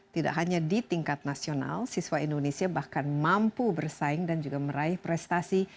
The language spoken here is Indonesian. tidak hanya di tingkat nasional siswa indonesia bahkan mampu bersaing dan juga meraih prestasi